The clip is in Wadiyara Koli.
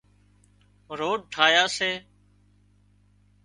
روڊ ٺاهيا سي